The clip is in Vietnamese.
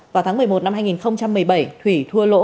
vào tháng một mươi một năm hai nghìn một mươi bảy thủy thua lỗ